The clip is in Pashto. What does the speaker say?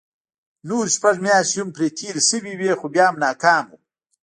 نورې شپږ مياشتې هم پرې تېرې شوې خو بيا هم ناکام وو.